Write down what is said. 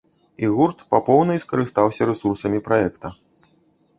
І гурт па поўнай скарыстаўся рэсурсамі праекта.